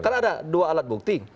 karena ada dua alat bukti